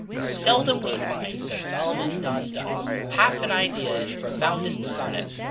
"Seldom we find," says Solomon Don Dunce, "Half an idea in the profoundest sonnet.